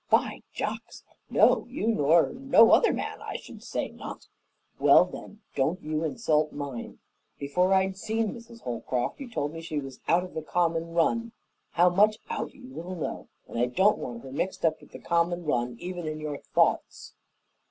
"By jocks! No, you nor no other man. I should say not." "Well, then, don't you insult mine. Before I'd seen Mrs. Holcroft, you told me she was out of the common run, how much out, you little know, and I don't want her mixed up with the common run, even in your thoughts."